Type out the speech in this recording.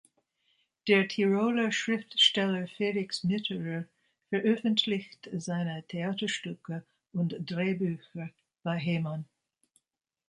Der Tiroler Schriftsteller Felix Mitterer veröffentlicht seine Theaterstücke und Drehbücher bei Haymon.